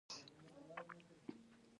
نن همدا نظریه د بقا بنسټ دی.